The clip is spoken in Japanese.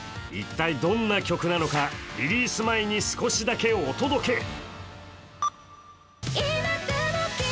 一体どんな曲なのか、リリース前に少しだけお届け。